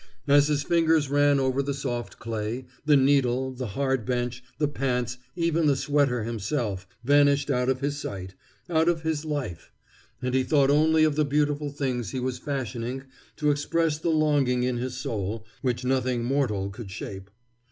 As his fingers ran over the soft clay, the needle, the hard bench, the pants, even the sweater himself, vanished out of his sight, out of his life, and he thought only of the beautiful things he was fashioning to express the longing in his soul, which nothing mortal could shape.